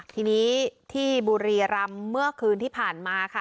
ทีนี้ที่บุรีรำเมื่อคืนที่ผ่านมาค่ะ